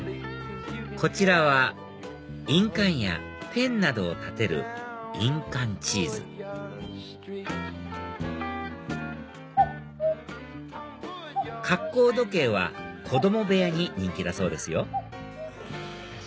こちらは印鑑やペンなどを立てる印鑑チーズカッコー時計は子供部屋に人気だそうですよ